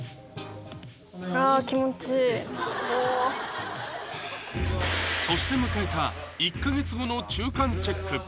あ気持ちいいおそして迎えた１か月後の中間チェック